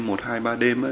một hai ba đêm á thì